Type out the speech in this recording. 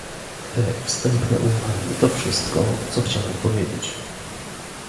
Te wstępne uwagi to wszystko, co chciałem powiedzieć